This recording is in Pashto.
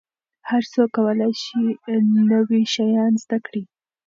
هر څوک کولای سي نوي شیان زده کړي.